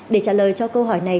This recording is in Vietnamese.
để trả lời cho câu hỏi này